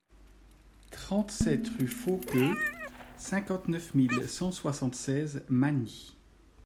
trente-sept rue Fauqueux, cinquante-neuf mille cent soixante-seize Masny